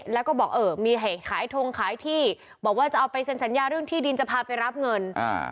แล้วก็บอกเออมีให้ขายทงขายที่บอกว่าจะเอาไปเซ็นสัญญาเรื่องที่ดินจะพาไปรับเงิน